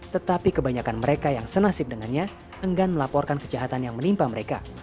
tetapi kebanyakan mereka yang senasib dengannya enggan melaporkan kejahatan yang menimpa mereka